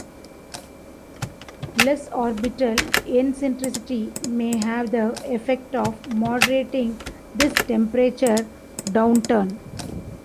Less orbital eccentricity may have the effect of moderating this temperature downturn.